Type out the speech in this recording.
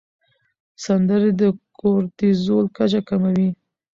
سندرې د کورتیزول کچه کموي.